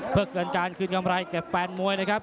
เพื่อเกินการคืนกำไรแก่แฟนมวยนะครับ